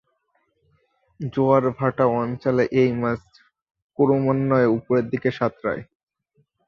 জোয়ার-ভাটা অঞ্চলে এই মাছ ক্রমান্বয়ে উপরের দিকে সাঁতরায়।